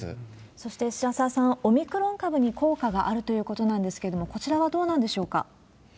そして白沢さん、オミクロン株に効果があるということなんですけれども、こちらはどうなんでしょうか？